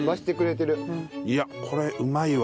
いやこれうまいわ。